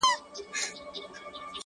دا چي زه څه وايم! ته نه پوهېږې! څه وکمه!